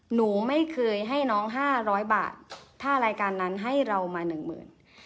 หนูไม่เคยให้น้อง๕๐๐บาทถ้ารายการนั้นให้เรามา๑๐๐๐๐บาท